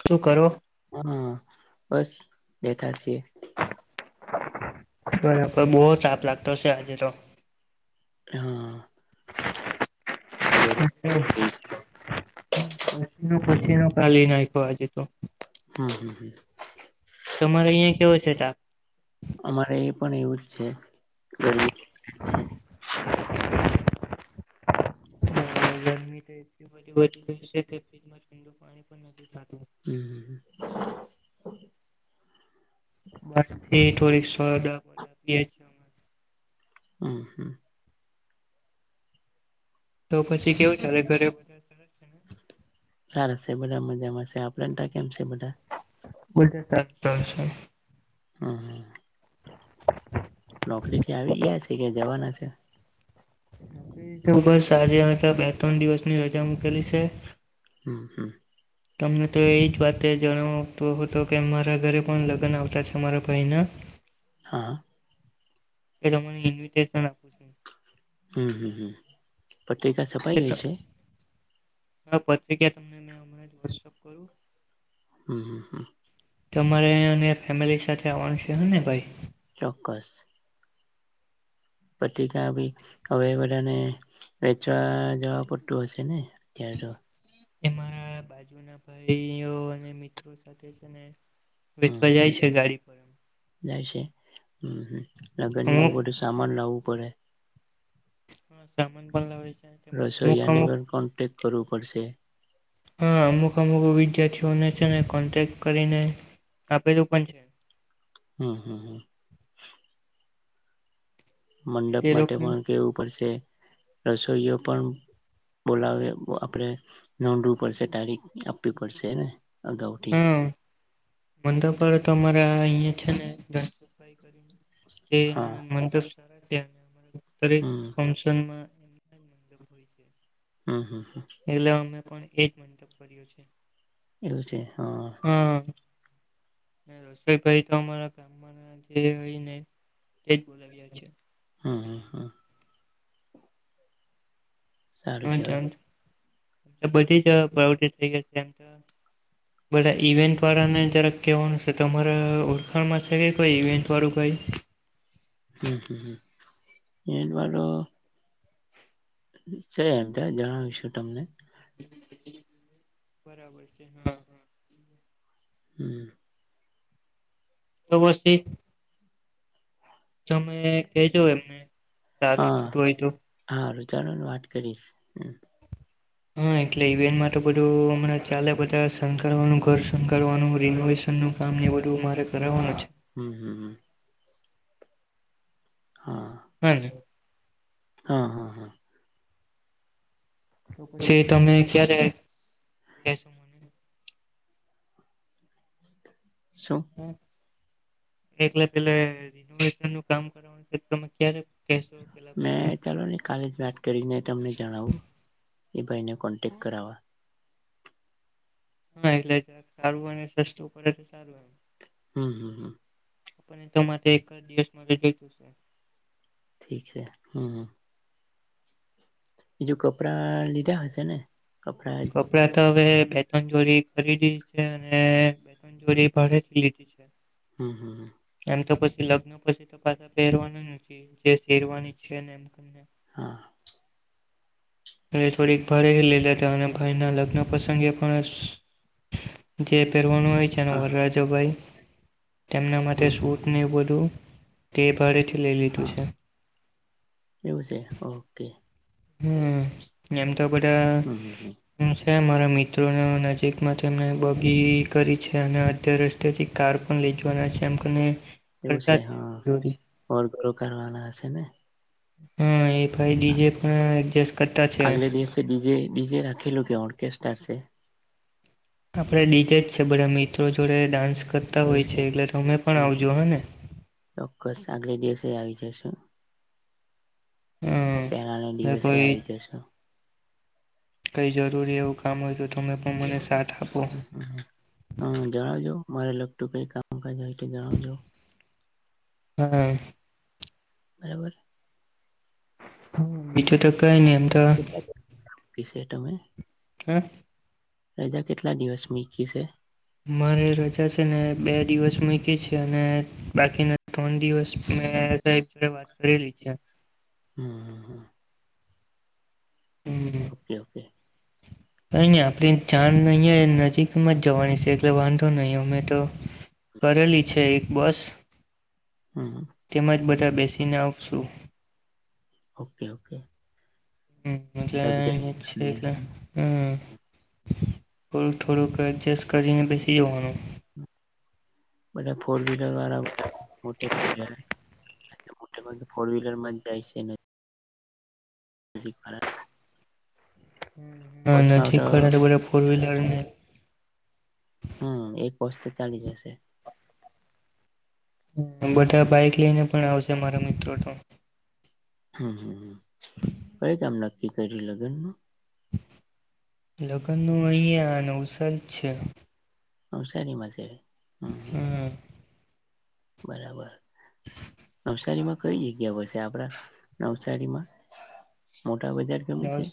શું કરો? હા બસ બેઠા સીએ. બો તાપ લાગતો છે આજે તો. એ હ ઘરે એ પસીનો પસીનો કાલી નાખ્યો આજે તો. હમ્મ, હમ્મ. તમારે અહિયાં કેવો છે તાપ? અમારે એ પણ એવું જ છે ગરમી છે. ગરમી તો એટલી બધી વધી ગઈ છે કે ફ્રીજમાં ઠંડુ પાણી પણ નથી. થતું. હમ્મ. [inaudible] થોડીક સહદા બધાં પીએ છીએ અમે હમ હમ તો પછી કેવું ચાલે ઘરે બધા સરસ છે ને? સારા છે બધા મજામાં છે. આપણે તા કેમ છે બધા? બધાં [inaudible] છે. નોકરીથી આવી ગયા છે કે જવાના છે? [inaudible] બે ત્રણ દિવસની રજા મૂકેલી સે. હમ્મ હમ્મ તમને તો એ જ વાતે જણાવતો હતો કે મારા ઘરે પણ લગન આવતા છે મારા ભાઈના [inaudible] હા એ તમને ઇન્વિટેશન આપું છું. હમ્મ, હમ્મ, હમ્મ પત્રિકા સપાઈ ગઈ છે? હા પત્રિકા તમને મે હમણાં જ વોટ્સઅપ કરું. હમ હમ હ તમારે અને ફેમિલી સાથે આવવાનું છે હ ને ભાઈ! ચોક્કસ. પત્રિકા ભી હવે બધાને વેચવા જવા પડતું હશે ને અત્યારે. તો એ મારા બાજુ ના ભાઈઓ અને મિત્રો સાથે છે ને હમ વેચવા જાય છે ગાડી પર એમ જાય છે હમ હ લગન ની બ બધું સામાન લાવવું પડે. સામાન પણ લવાય છે. તેમજ અમુક રસોઇયાને અમુક પણ કોન્ટેક્ટ કરવું પડશે. હા અમુક અમુક વિદ્યાર્થીઓને છે ને કોન્ટેક્ટ કરીને આપેલું પણ છે. હમ્મ, હમ્મ, હમ્મ. છે મંડપ તે માટે લોકો પણ કેવું પડશે, રસોઈઓ પણ બોલાવે આપણેે નોંધવું પડશે તારીખ આપવી પડશેને? હા મંડપ વાળો તો અમારા અહિયાં છે ને ધનસુખભાઈ કરીને હા તેના મંડપ સારા છે અને અમારા ઘરે દરેક હમ ફંશનમાં હમ્મ, હમ્મ. એટલે અમે પણ એજ મંડપ કર્યું છે. એવું છે હા હા રસોઈભાઈ તો અમારા ગામમાં જે હોય ને એક જ બોલાવી્યા છે. હમ્મ, હમ્મ હા. સારુ કેવાય. હા બધી જ [unintelligible] એમ તો બધા ઈવેન્ટ વાળાને જરાક કહેવાનું છે તમારા ઓળખાણમાં છે કે કોઈ ઈવેન્ટ વાળું ભાઈ [unintelligible] છે એમ જણાવીશું તમને બરાબર છે હા હા હમ [unintelligible] તમે કેજો એમને સારું પડતું હોય તો ચાલીને વાત કરીશ હમ હા એટલે ઇવેટ માટે બધું હમણાં ચાલે બધા શકારનું ઘર સંકારવાનું રિનોવેશન નું કામ ને વધુ મારે કરવાવાનું છે હમ હમ હા હમ હા હા હા તો પછી તમે ક્યારે કેશો મને શું હા, એટલે પેલે રિનોવેશન નું કામ કરવાનું છે તમે ક્યારે કહેશો પેલા મેં ભાઈને ચાલોને કાલે જ વાત કરીને તમને જણાવું એ ભાઈને કોન્ટેક્ટ કરવા હા એટલે જ સારું અને સસ્તું પડે તો સારું એ હમ હમ હમ આપ તો માટે એક જ દિવસ માટે જોઈતું છેું ઠીક છે હમ બીજું કપડા લીધા હશે ને કપડા તો હવે બે ત્રણ જોડી ખરીદી છે અને બે ત્રણ જોડી ભાડેથી લીધી છે હમ હમ તો પછી લગ્ન પછી તો પાછા પહેરવાનું નથી જે શેરવાની છે ને એમ હા થોડીક ભારે લીધા હતા અને ભાઈના લગ્ન પ્રસંગે પણ જે પહેરવાનું હોય છે ને હા વરાજાંભાઈ તેમના માટે હમ હમ સૂટને બધું તે ભારે હા એવું છે ઓકે હમ એમ તો બધા હમ હમ હમ ત મારા મિત્રો નજીકમાં તેમને બગી કરી છે અને [unintelligible] થી કાર પણ લે [unintelligible] એવું છે હા વરઘરો કરવાના હશે ને હા એ ભાઈ ડીજે પણ એડજસ્ટ કરતા છે ઓર્ગસ્ટ્રાર છે આપડે ડીજે જ છે બધા મિત્રો જોડે ડાન્સ કરતા હોય છે એટલે તમે પણ હમ આવજો હમ હા ને ચોક્કસ આગલે દિવસે આવી જશું પેલા ના હમ દિવસે કોઈ આવી જશો કઈ જરૂરી એવું કામ હોય તો તમે પણ મને સા હ જણાવજો મારે લગતું કઈ કામકાજ હોય જણાવજો હા બરાબર હા બીજું તો કઈ નહી એમ તો [unintelligible] તમે હમ રજા કેટલા દિવસ મીકી છે મારે રજા છે ને બે દિવસ મૂકી છે અને બાકીના ત્રણ દિવસ મે સાહેબ વાત કરેલી છે હમ ઓકે ઓકે. કઈ ની આપણી જાન અહીંયા નજીકમાં જ જવાની છે એટલે વાંધો નહી અમે તો કરેલી છે એક બસ હમ તેમાં જ બધા બેસીને આવશું. Okay okay. હમ્મ છે એટલે હમ્મ થોડુંક થોડુંક એડજસ્ટ કરીને બેસી જવાનું. બધા ફોર વ્હીલર વાળા [unintelligible] એટલે મોટે ભાગે ફોર વ્હીલર માં જાય છે ને. [unintelligible] હા નજીક વારા તો બધા ફોર વ્હીલરને હમ્મ એક બસ તો ચાલી જશે. બધા બાઈક લઈને પણ આવશે મારો મિત્રો તો. હમ્મ હમ્મ કઈ કેમ નક્કી કર્યું લગન લગ્નનો અહીં આ નવસલ છે. નવસારીમાં છે હમ્મ હમ બરાબર નવસારીમાં કઈ જગ્યા હોસે આપડા નવસારીમાં મોટા બજાર કે પછી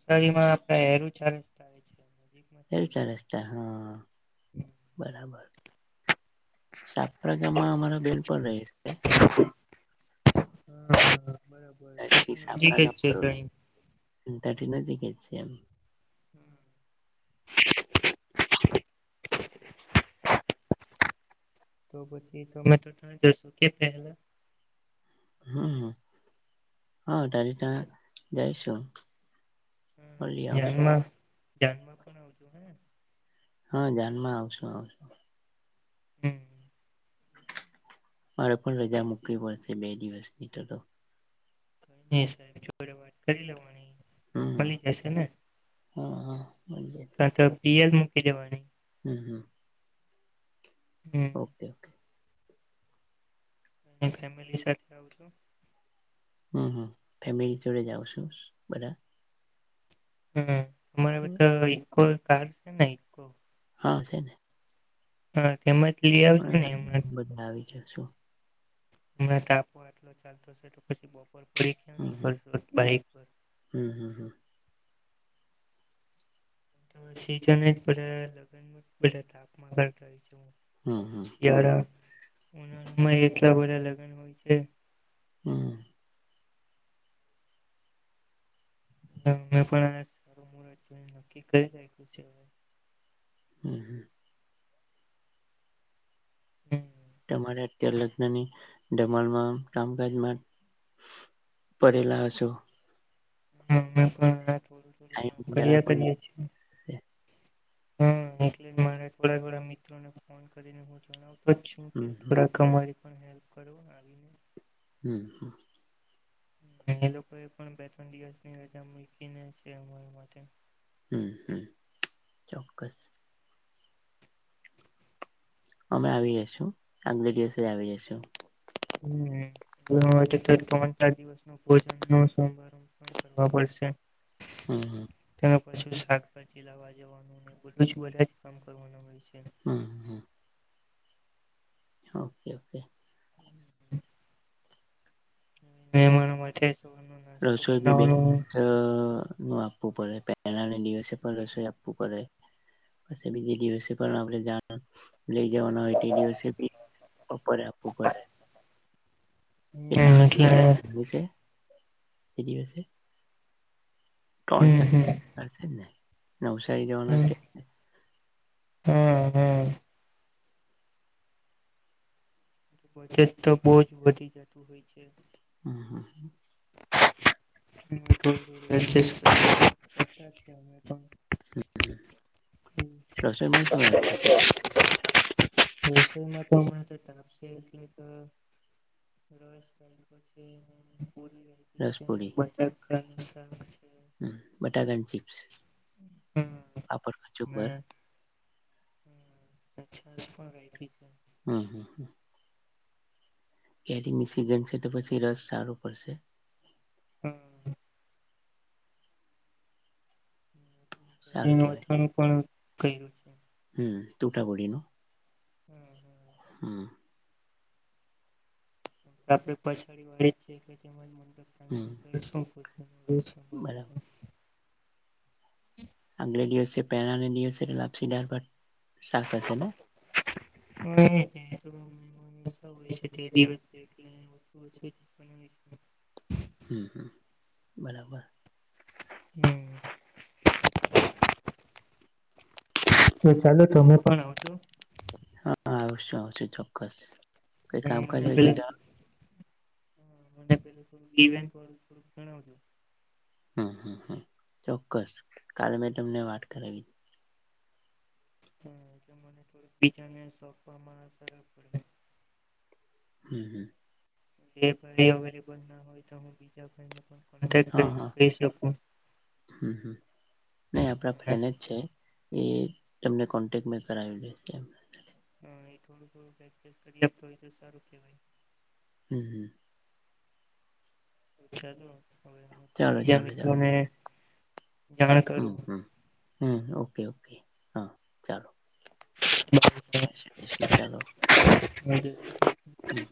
નવસારી માં આપડે [unintelligible] એ ચાર રસ્તા હા બરાબર. આપડા ગામમાં અમારા બેન પણ રહે છે. જ છે હા બરાબર નજીક જ છે તઈ [unintelligible] [inaudible] તો પછી તમે તો ત્યાં જશો કે પહેલા હમ્મ હા તાથી તા જાયશું. હમ્મ જાનમાં જાનમાં પણ આવજો હને. હા જાનમાં આવશું આવશું. હમ મારે પણ રજા મૂકવી પડશે બે દિવસની તો તો નઈ સાહેબ જોડે વાત કરી લેવાની હમ મળી જશે ને. હા હા. મળી જશે કાતો પીએલ મુકી દેવાની. [inaudible] હમ ઓકે ઓકે. ફેમિલી સાથે આવો હમ્મ હમ્મ ફેમિલી જોડે આવસુ બધા હમ્મ તમારી બી બરાબર તો ઈકો કાર છે ને ઈકો હા છે ને. હા તેમાંથી લીઆવજો ને એમાં [unintelligible] [unintelligible] હમ હમ હમ હમ [unintelligible] સિઝન બધા લગ્ન બધા તાપમાં કરતા હોય છે. હમ હમ શિયાળા ઉનાળામાં એટલા બધા લગ્ન હોય છે હમ્મ. અમે પણ સારું જો નક્કી કરીયું છે. [inaudible] હમ્મ. તમારે અત્યાર લગ્નની ધમાલમાં કામકાજમાં પડેલા હસો. હ અમે પણ થોડું થોડું ટાઈમ કામ જરા કર્યા પણ કરીએ છીએ. હમ હ એલે, માને થોડા થડા મિત્રો ને ફોન કરીને હું જણાવ. હમ [unintelligible] હમ, હા. એ લોકો એ પણ બે ત્રણ દિવસની રજા મૂકીને છે અમારા માટે. હમ, હમ, ચોક્કસ. અમે આવી જઈશું, આગલે દિવસે આવી જશું. ત્યારે ત્રણ ચાર દિવસ નું ભોજન નુ, સોમવાર. કરવા પડશે. હમ, હ. શાકભાજી લાવવા જવાનું, બધુજ બધા જ કામ કરવાનું હોય છે. હા, હ. Okay, okay. મહેમાનો માટે સવારનો નાસ્તો રસોઈ બી બે બનાવવાનો નું આપ. ઉભો રે, પેહેલા ના દિવસે પણ રસોઈ આપવુ પડે. પછી બીજે દિવસે પણ આપણે જાણ લઈ જવાના હોય તે દિવસે બી બપોરે આપવું પડે. હે, કેટલા એટલે એ દિવસે ત્રણ હમ ચાનુરીશે જ ને નવસારી જવાના હમ છે. હમ, હમ. બજેટ તો બહુ જ વધી જતું હોય છે. હા, હા, હા. [unintelligible] હમ, રસોઈમાં છે. માં તો અરે તો તાપશે એટલે કે [unintelligible] હ, બટાકાની ચીપ્સ, ને પાપડ, કચુમ્બર. હ, અછા જ પણ રાી છે. [unintelligible] હમ, હમ, હ. કેરી ની સિઝન છે, તો પછી રસ સારું પડશે. હમ. સારું વાનું કેવાય પણ કર્યું છે. હમ, હોતા હોય. હમ, હમ. હા. આપડે પછાડી વાળીએ એટલે તેજ મડબ હમ ટંગી શું. [unintelligible] બરાબર. અગલે દિવસે પેના દિવસે લપસીદાર ભાત શાક હશે ને એ જ. હોય છે તે દિવસ એટલે ઓછ [unintelligible] હ, હ, બરાબર. હમ. તો ચાલો, તમે પણ આવજો. હા, આવશું આવશું, ચોક્કસ કંઈ અને કામકાજ મને હોય તો જ. પેલા મને પે થોડું વેન્ટ વાળું થોડુંક જણાવજો. હમ હમ, ચોક્કસ. કાલે મેં તમને વાત કરાવી. હા, એટલે મને થોડક બીજાને સોંપવામાં સારુ પડે. હમ, હમ. ભ અવેલેબલ ના હોય તો હું બીજા ભાઈને પણ કોેક હા કરીને હા ક શકું [unintelligible] હમ, નહી આપણા એ ફ્રેન્ડ જ છે, એ એમને કોન્ટેક્ટ મેં કરાવી, દે એ હા, એ થોડું થોડુંક કરીએ, તો એ તો સારું કેવાય. હમ્મ, હમ્મ. ચલો, હવે પણ ચાલો બીજા ચાલો ચાલો મિત્રોને. જાણ હમ, કરું. હમ, હમ ઓકે, ઓકે હા ચાલો. જય શ્રી કૃષ્ણ, ચાલો. [unintelligible] હમ